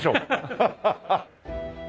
ハハハハ。